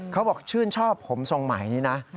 เขาบอกชื่นชอบผมทรงใหม่นี้นะ